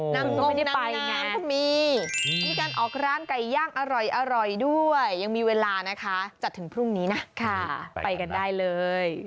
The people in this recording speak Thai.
น้ำต้มน้ำก็มีมีการออกร้านไก่ย่างอร่อยด้วยยังมีเวลานะคะจัดถึงพรุ่งนี้นะไปกันได้เลย